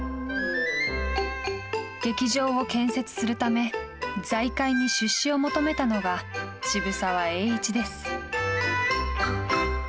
劇場を建設するため、財界に出資を求めたのが渋沢栄一です。